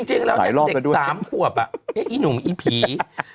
จริงแล้วเนี่ยเด็ก๓ขวบอีหนุ่มอีผี